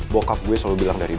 bokap gue selalu bilang dari